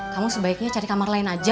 kamu sebaiknya cari kamar lain aja